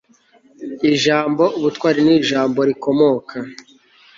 ijambo ubutwari ni ijambo rikomoka